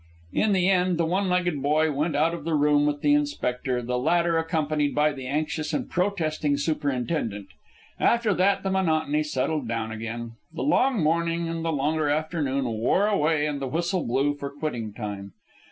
In the end the one legged boy went out of the room with the inspector, the latter accompanied by the anxious and protesting superintendent. After that monotony settled down again. The long morning and the longer afternoon wore away and the whistle blew for quitting time.